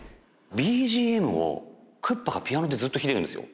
ＢＧＭをクッパがピアノでずっと弾いてるんですよ